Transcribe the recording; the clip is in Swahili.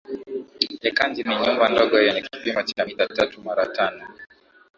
Enkaji ni nyumba ndogo yenye kipimo cha mita tatu mara tano